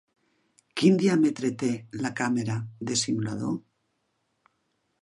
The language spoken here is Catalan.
Quin diàmetre té la càmera del simulador?